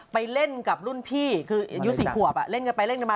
ไปเล่นกับรุ่นพี่คืออายุ๔ขวบเล่นกันไปเล่นกันมา